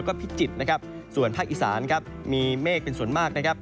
ก็พิจิตรนะครับส่วนภาคอีสานครับมีเมฆเป็นส่วนมากนะครับ